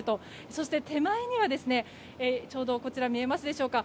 そして手前にはちょうどこちら見えますでしょうか